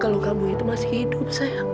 kalau kamu itu masih hidup saya